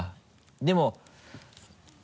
でも。